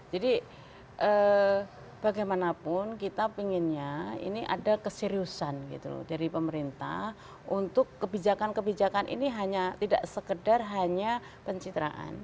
jadi bagaimanapun kita pinginnya ini ada keseriusan gitu dari pemerintah untuk kebijakan kebijakan ini hanya tidak sekedar hanya pencitraan